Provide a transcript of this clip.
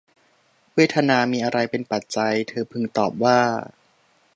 เวทนามีอะไรเป็นปัจจัย เธอพึงตอบว่า